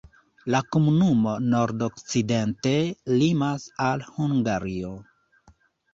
La komunumo nord-okcidente limas al Hungario.